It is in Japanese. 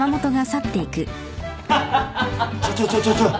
ちょちょちょちょちょ。